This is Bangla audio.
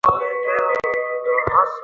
কিন্তু কত জনই বা!